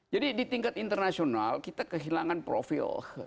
jadi di tingkat internasional kita kehilangan profil